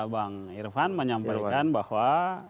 bang irfan menyampaikan bahwa